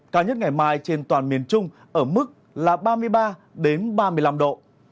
cao nhất ngày mai trên toàn miền trung ở mức là ba mươi ba ba mươi năm độ